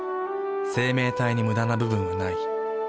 生命体にムダな部分はない。